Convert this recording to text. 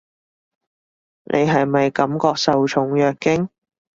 你係咪感覺受寵若驚？